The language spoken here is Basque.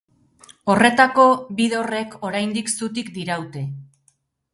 Horretako bi dorrek oraindik zutik diraute.